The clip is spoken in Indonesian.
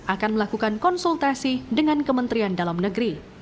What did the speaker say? akan melakukan konsultasi dengan kementerian dalam negeri